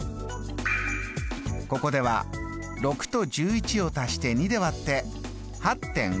ここでは６と１１を足して２で割って８．５。